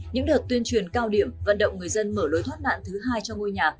những đợt tuyên truyền cao điểm vận động người dân mở lối thoát nạn thứ hai cho ngôi nhà